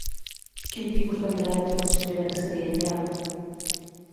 Quin tipus de lideratge considera que seria ideal?